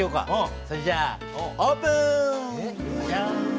それじゃあオープン。